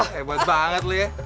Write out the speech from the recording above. hebat banget lo ya